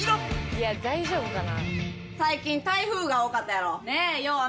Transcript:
「いや大丈夫かな？」